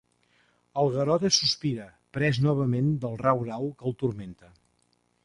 El Garota sospira, pres novament del rau-rau que el turmenta.